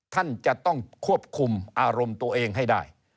ท่านจะต้องควบคุมอารมณ์ตัวเองให้ได้